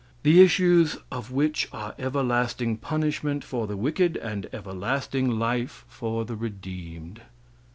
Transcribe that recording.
"The issues of which are everlasting punishment for the wicked and everlasting life for the redeemed.